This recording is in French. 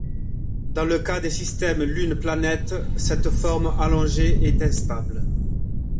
Dans le cas des systèmes lune-planète, cette forme allongée est instable.